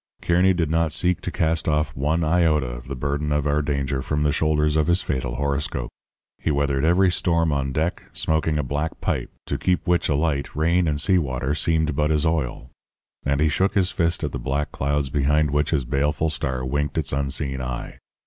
"Kearny did not seek to cast off one iota of the burden of our danger from the shoulders of his fatal horoscope. He weathered every storm on deck, smoking a black pipe, to keep which alight rain and sea water seemed but as oil. And he shook his fist at the black clouds behind which his baleful star winked its unseen eye.